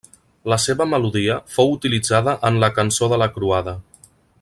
La seva melodia fou utilitzada en la Cançó de la Croada.